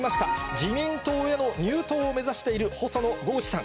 自民党への入党を目指している細野豪志さん。